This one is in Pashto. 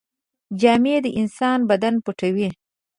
جامې د انسان بدن پټوي.